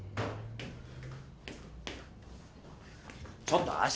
ちょっと足！